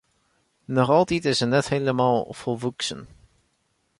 Noch altyd is se net hielendal folwoeksen.